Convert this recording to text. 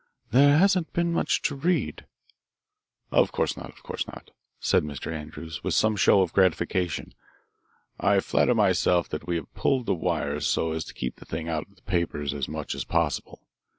"There hasn't been much to read." "Of course not, of course not," said Mr. Andrews with some show of gratification. "I flatter myself that we have pulled the wires so as to keep the thing out of the papers as much as possible.